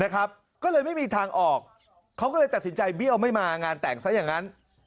ก็เลยไม่มีทางออกเขาก็เลยตัดสินใจเบี้ยวไม่มางานแต่งซะอย่างนั้น